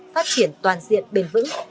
phát triển toàn diện bền vững